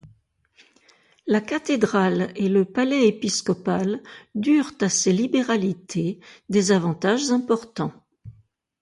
La cathédrale et le palais épiscopal durent à ses libéralités des avantages importants.